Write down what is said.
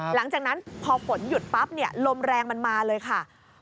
หลังจากนั้นพอฝนหยุดปั๊บเนี่ยลมแรงมันมาเลยค่ะ